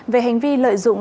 về hành vi lợi dụng